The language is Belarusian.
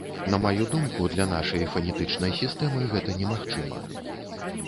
На маю думку, для нашай фанетычнай сістэмы гэта немагчыма.